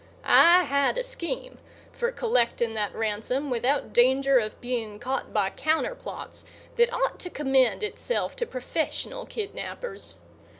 I had a scheme for collecting that ransom without danger of being caught by counterplots that ought to commend itself to professional kidnappers.